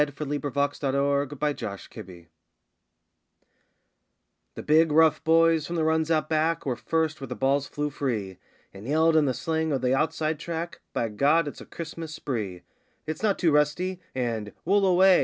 YEARS AFTER THE WAR IN AUSTRALIA The big rough boys from the runs out back were first where the balls flew free, And yelled in the slang of the Outside Track: 'By God, it's a Christmas spree!' 'It's not too rusty' and 'Wool away!